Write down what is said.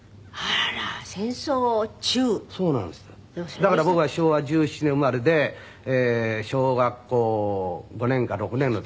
だから僕は昭和１７年生まれで小学校５年か６年の時でしたから。